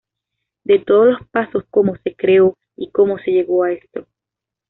De todos los pasos, cómo se creó y cómo se llegó a esto.